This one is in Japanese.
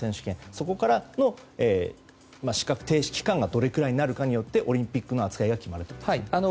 そこからの資格停止期間がどれぐらいになるかがオリンピックの扱いが決まると。